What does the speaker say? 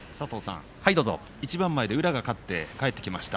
一番前で宇良が帰ってきました。